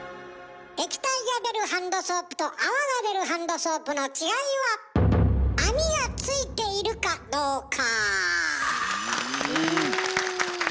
液体が出るハンドソープと泡が出るハンドソープの違いは網がついているかどうか。